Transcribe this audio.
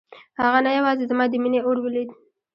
هغه نه یوازې زما د مينې اور ولید.